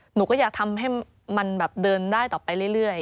หนูก็อยากทำให้มันแบบเดินได้ต่อไปเรื่อย